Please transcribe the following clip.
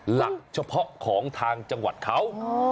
หลักเฉพาะของทางจังหวัดเขา